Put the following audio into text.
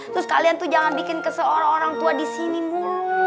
terus kalian tuh jangan bikin kesel orang orang tua disini mulu